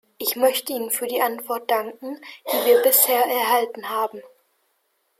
Ich möchte Ihnen für die Antwort danken, die wir bisher erhalten haben.